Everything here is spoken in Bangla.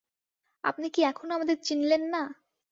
আপনি কি এখনো আমাদের চিনলেন না?